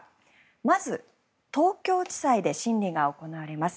まず、東京地裁で審理が行われます。